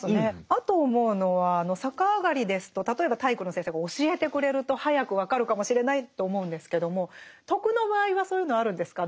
あと思うのは逆上がりですと例えば体育の先生が教えてくれると早く分かるかもしれないと思うんですけども「徳」の場合はそういうのあるんですか？